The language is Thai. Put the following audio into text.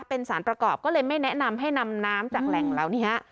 เป็นสารประกอบก็เลยไม่แนะนำให้นำน้ำจากแหล่งเหล่านี้ฮะ